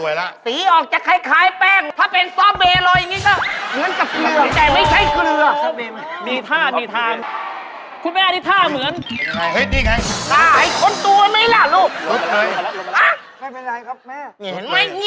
อยากให้แม่เกินอยากให้แม่ลงพอแล้วแม่